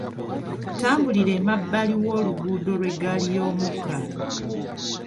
Ttambulira emabbali w'oluguudo lw'eggaali y'omukka.